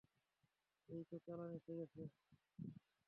এইতো চালান এসে গেছে।